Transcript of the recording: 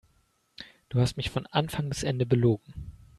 Du hast mich von Anfang bis Ende belogen.